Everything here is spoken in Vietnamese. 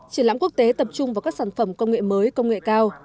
triển lãm quốc tế tập trung vào các sản phẩm công nghệ mới công nghệ cao